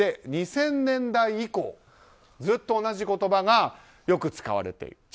２０００年代以降ずっと同じ言葉がよく使われている。